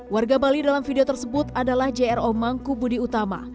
warga bali dalam video tersebut adalah jro mangku budi utama